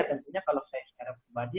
tentunya kalau saya secara pribadi